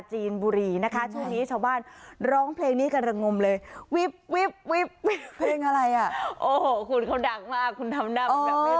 โอ้โหคุณเขาดังมากคุณทำหน้ามันแบบไม่รู้